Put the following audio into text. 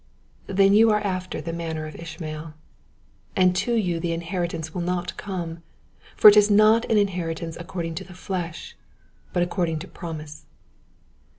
Then you are after the manner of Ishmael, and to you the inheritance will not come ; for it is not an inheritance according to the flesh, but according to promise.